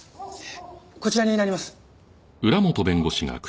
こちらになります。